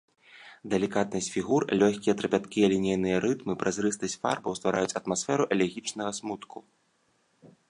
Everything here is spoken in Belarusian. Далікатнасць фігур, лёгкія трапяткія лінейныя рытмы, празрыстасць фарбаў ствараюць атмасферу элегічнага смутку.